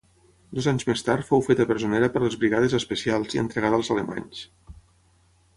Dos anys més tard fou feta presonera per les brigades especials i entregada als alemanys.